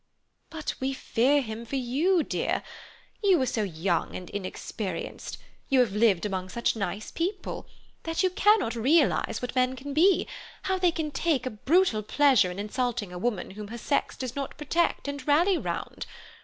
"But we fear him for you, dear. You are so young and inexperienced, you have lived among such nice people, that you cannot realize what men can be—how they can take a brutal pleasure in insulting a woman whom her sex does not protect and rally round.